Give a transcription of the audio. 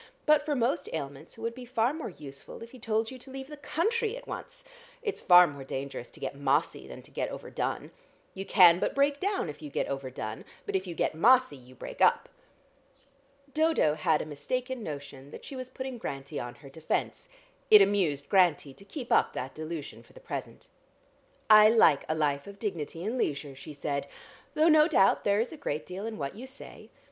But for most ailments it would be far more useful if he told you to leave the country at once. It's far more dangerous to get mossy than to get over done. You can but break down if you get over done, but if you get mossy you break up." Dodo had a mistaken notion that she was putting Grantie on her defence. It amused Grantie to keep up that delusion for the present. "I like a life of dignity and leisure," she said, "though no doubt there is a great deal in what you say.